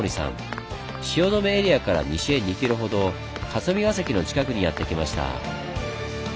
汐留エリアから西へ２ｋｍほど霞が関の近くにやって来ました。